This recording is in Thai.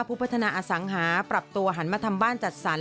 ผู้พัฒนาอสังหาปรับตัวหันมาทำบ้านจัดสรร